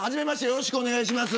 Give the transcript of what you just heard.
よろしくお願いします。